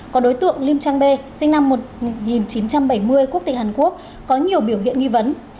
có đối tượng lim trang b sinh năm một nghìn chín trăm bảy mươi quốc tịch hàn quốc có nhiều biểu hiện nghi vấn